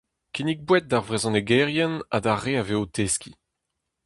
Kinnig boued d'ar vrezhonegerien ha d'ar re a vez o teskiñ.